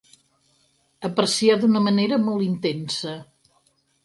Apreciar d'una manera molt intensa.